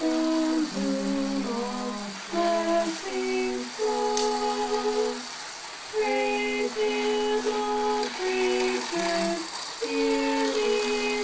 from whom all bless ings flow; Praise him, all crea tures here be